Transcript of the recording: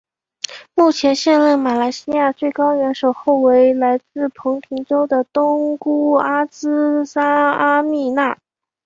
目前现任马来西亚最高元首后为来自彭亨州的东姑阿兹纱阿蜜娜。